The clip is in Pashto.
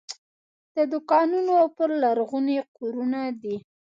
د دوکانونو پر لرغوني کورونه دي.